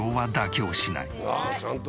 ちゃんと。